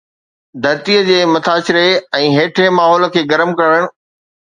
ڌرتيءَ جي مٿاڇري ۽ هيٺين ماحول کي گرم ڪرڻ